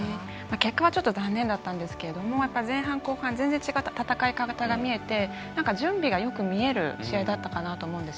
結果は残念だったんですけど前半、後半全然違った戦い方が見えて準備がよく見える試合だったかなと思います。